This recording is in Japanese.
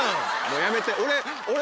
もうやめて俺。